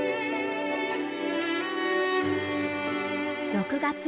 ６月。